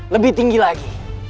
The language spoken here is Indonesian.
lebih tinggi lagi